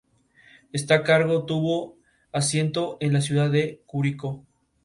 Este cargo tuvo asiento en la ciudad de Curicó.